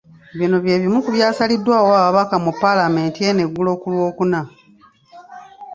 Bino bye bimu ku byasaliddwawo ababaka mu paalamenti eno eggulo ku Lwookuna.